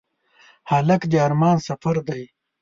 هلک د ارمان سفر دی.